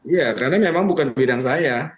ya karena memang bukan bidang saya